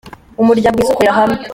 Umuryango mwiza ukorera hamwe.